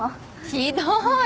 ひどい。